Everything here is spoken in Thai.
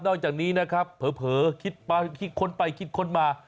นอกจากนี้นะครับเผลอคิดคนไปคิดคนมา